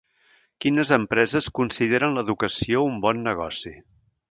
Quines empreses consideren l’educació un bon negoci?